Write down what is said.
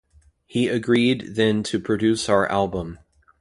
He agreed then to produce our album.